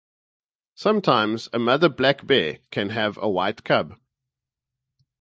Sometimes, a mother black bear can have a white cub.